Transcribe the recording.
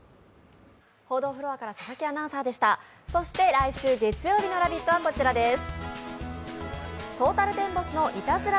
来週月曜日の「ラヴィット！」はこちらです。